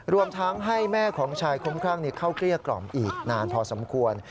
รวมทั้งให้แม่ของชายคุ้มครั่งเข้าเกลี้ยกล่อมอีกนานพอสมควร